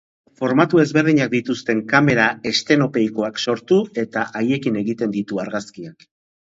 Formatu ezberdinak dituzten kamera estenopeikoak sortu eta haiekin egiten ditu argazkiak.